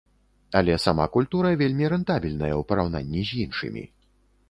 Але сама культура вельмі рэнтабельная ў параўнанні з іншымі.